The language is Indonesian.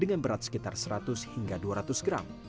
dengan berat sekitar seratus hingga dua ratus gram